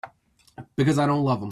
Because I don't love him.